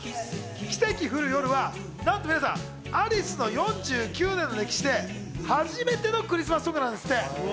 『キセキフルヨル』はなんと皆さん、アリスの４９年の歴史で初めてのクリスマスソングなんですって。